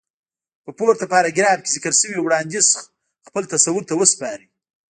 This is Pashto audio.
په پورته پاراګراف کې ذکر شوی وړانديز خپل تصور ته وسپارئ.